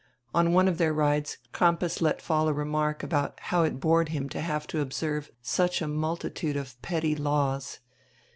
On one of their rides Crampas let fall a remark about how it bored him to have to observe such a multitude of petty laws.